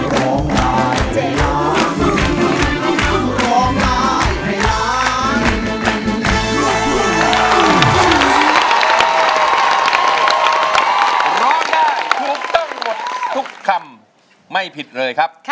ร้องได้ถูกต้องหมดทุกคำไม่ผิดเลยครับ